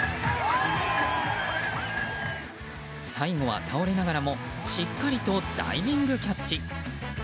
最後は倒れながらもしっかりとダイビングキャッチ。